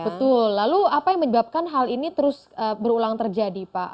betul lalu apa yang menyebabkan hal ini terus berulang terjadi pak